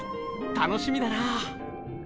楽しみだな。